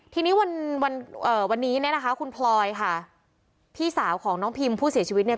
ทีนี้วันวันเอ่อวันนี้เนี่ยนะคะคุณพลอยค่ะพี่สาวของน้องพิมผู้เสียชีวิตเนี่ย